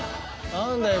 何だよ